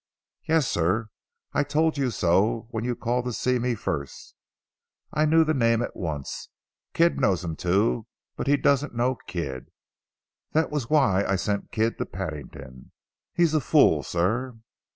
"Yes sir. I told you so when you called to see me first. I knew the name at once. Kidd knows him too, but he doesn't know Kidd. That was why I sent Kidd to Paddington. He's a fool, sir."